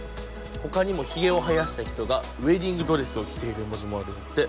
ほかにもひげを生やした人がウエディングドレスを着ている絵文字もあるんやって。